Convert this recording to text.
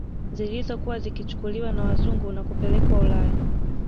Zilizokuwa zikichukuliwa na wazungu na kupelekwa Ulaya